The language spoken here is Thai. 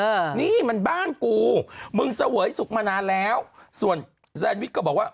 อืมนี่มันบ้านกูมึงเสวยสุขมานานแล้วส่วนแซนวิชก็บอกว่า